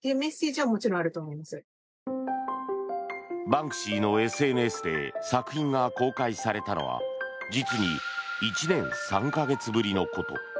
バンクシーのＳＮＳで作品が公開されたのは実に１年３か月ぶりのこと。